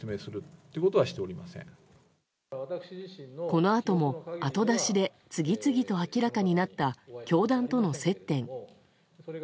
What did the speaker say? このあとも後出しで、次々と明らかになった教団との接点。